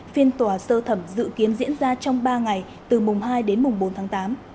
phiên tòa sơ thẩm dự kiến diễn ra trong ba ngày từ mùng hai đến mùng bốn tháng tám